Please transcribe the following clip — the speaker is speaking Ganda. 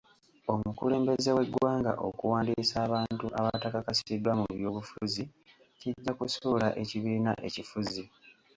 Omukulembeze w'eggwanga okuwandiisa abantu abatakakasiddwa mu by'obufuzi kijja kusuula ekibiina ekifuzi.